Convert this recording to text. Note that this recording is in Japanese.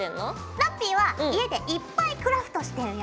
ラッピィは家でいっぱいクラフトしてるよ。